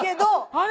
あれ？